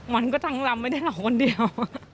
มันก็ทั้งลำไม่ได้เราคนเดียว